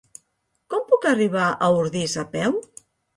Com puc arribar a Ordis a peu?